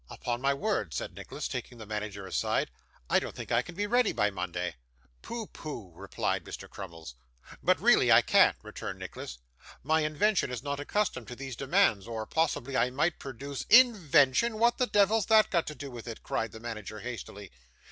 'Upon my word,' said Nicholas, taking the manager aside, 'I don't think I can be ready by Monday.' 'Pooh, pooh,' replied Mr. Crummles. 'But really I can't,' returned Nicholas; 'my invention is not accustomed to these demands, or possibly I might produce ' 'Invention! what the devil's that got to do with it!' cried the manager hastily.